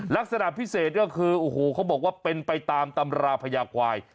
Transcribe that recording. ลักษณะพิเศษก็คือโอ้โหเขาบอกว่าเป็นไปตามตำราพญาควาย